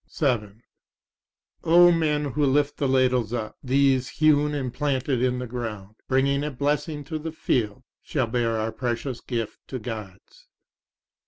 7 O men who lift the ladles up, these hewn and planted in the ground, Bringing a blessing to the field, shall bear our precious gift to Gods.